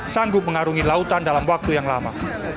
sanggup mengarungi lautan dalam waktu yang lama